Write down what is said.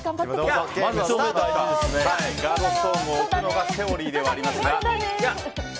ガードストーンを置くのがセオリーではありますが。